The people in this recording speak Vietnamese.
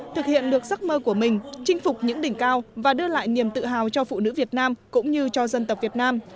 thực hiện được giấc mơ của mình chinh phục những đỉnh cao và đưa lại niềm tự hào cho phụ nữ việt nam cũng như cho dân tộc việt nam